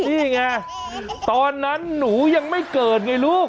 นี่ไงตอนนั้นหนูยังไม่เกิดไงลูก